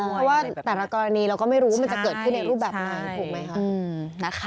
เพราะว่าแต่ละกรณีเราก็ไม่รู้ว่ามันจะเกิดขึ้นในรูปแบบไหนถูกไหมคะ